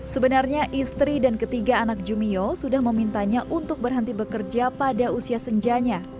sebenarnya istri dan ketiga anak jumio sudah memintanya untuk berhenti bekerja pada usia senjanya